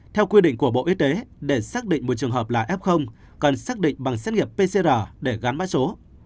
theo quy định của bộ y tế để xác định một trường hợp là f cần xác định bằng xét nghiệm pcr để gắn mã số